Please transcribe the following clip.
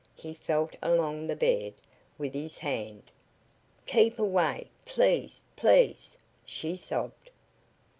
He felt along the bed with his hand. "Keep away! Please! Please!" she sobbed.